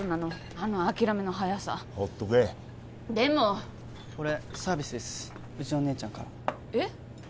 あの諦めのはやさほっとけでもこれサービスですうちの姉ちゃんからえっ？